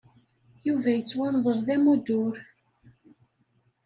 Yuba yettwamḍel d amuddur.